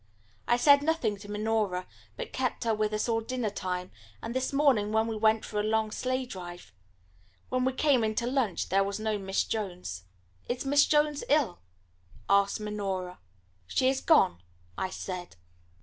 I said nothing to Minora, but kept her with us till dinner time, and this morning we went for a long sleigh drive. When we came in to lunch there was no Miss Jones. "Is Miss Jones ill?" asked Minora. "She is gone," I said.